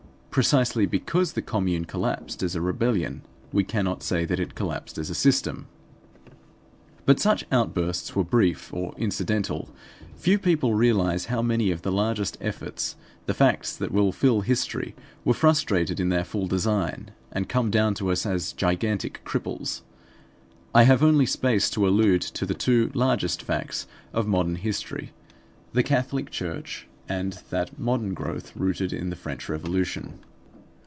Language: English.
Precisely because the Commune collapsed as a rebellion we cannot say that it collapsed as a system. But such outbursts were brief or incidental. Few people realize how many of the largest efforts, the facts that will fill history, were frustrated in their full design and come down to us as gigantic cripples. I have only space to allude to the two largest facts of modern history: the Catholic Church and that modern growth rooted in the French Revolution.